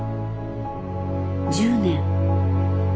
１０年。